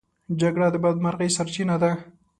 جګړه د بدمرغۍ سرچينه ده.